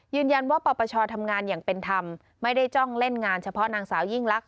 ยืนยันว่าปปชทำงานอย่างเป็นธรรมไม่ได้จ้องเล่นงานเฉพาะนางสาวยิ่งลักษ